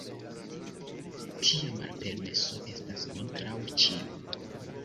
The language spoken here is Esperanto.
Tia malpermeso estas kontraŭ ĉiu.